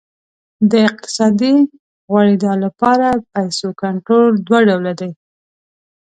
د اقتصادي غوړېدا لپاره پیسو کنټرول دوه ډوله دی.